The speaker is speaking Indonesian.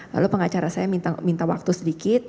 lalu pengacara saya minta waktu sedikit